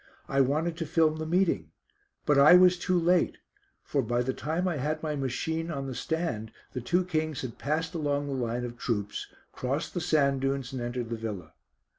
I wanted to film the meeting. But I was too late, for by the time I had my machine on the stand the two Kings had passed along the line of troops, crossed the sand dunes and entered the villa.